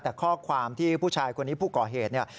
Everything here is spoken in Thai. แต่ข้อความที่ผู้ชายคนนี้ผู้ก่อเหตุเนี่ย